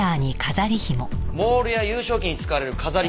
モールや優勝旗に使われる飾りひもでした。